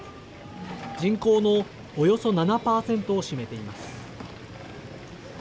人口のおよそ７％を占めています。